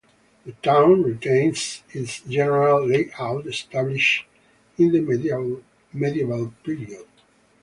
The town retains its general layout established in the medieval period.